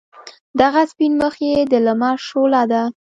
دغه سپین مخ یې د لمر شعله ده.